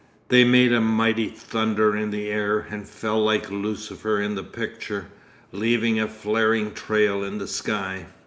They made a mighty thunder in the air, and fell like Lucifer in the picture, leaving a flaring trail in the sky.